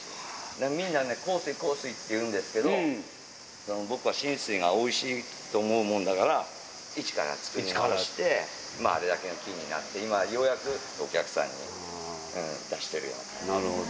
みんなね、幸水、幸水って言うんですけど、僕は新水がおいしいと思うもんだから、一から作り直して、あれだけの木になって、今ようやく、お客さんに出しているようななるほど。